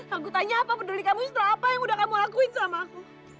aku tanya apa peduli kamu setelah apa yang udah kamu lakuin sama aku